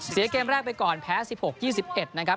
เกมแรกไปก่อนแพ้๑๖๒๑นะครับ